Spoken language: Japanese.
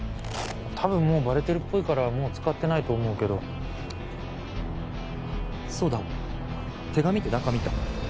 多分もうバレてるっぽいからもう使ってないと思うけどそうだ手紙って中見た？